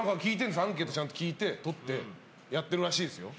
アンケートでちゃんと聞いてとってやってるらしいですよ。